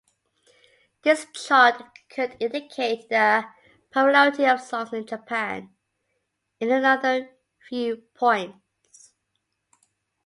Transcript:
This chart could indicate the popularity of songs in Japan in another viewpoints.